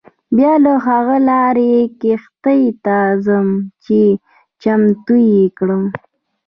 بیا له هغه لارې کښتۍ ته ځم چې چمتو یې کړم.